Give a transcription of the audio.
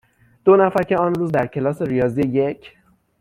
دو نفر که آن روز در کلاس ریاضی یک،